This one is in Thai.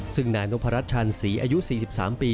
ซึ่งนายนพรัชชันศรีอายุ๔๓ปี